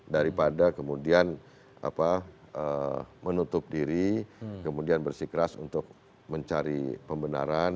daripada kemudian menutup diri kemudian bersikeras untuk mencari pembenaran